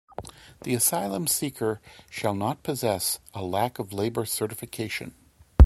The asylum seeker shall not possess a lack of labor certification.